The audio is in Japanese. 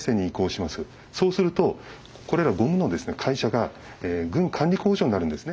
そうするとこれらゴムの会社が軍管理工場になるんですね。